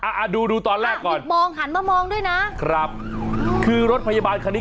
ค่ะดูตอนแรกก่อนค่ะหันมามองด้วยนะคือรถพยาบาลคันนี้